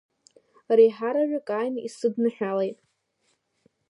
Реиҳараҩык ааины исыдныҳәалеит.